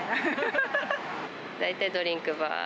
４大体ドリンクバー。